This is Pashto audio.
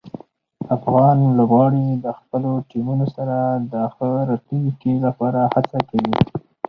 افغان لوبغاړي د خپلو ټیمونو سره د ښه راتلونکي لپاره هڅه کوي.